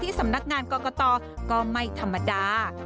สำนักงานกรกตก็ไม่ธรรมดา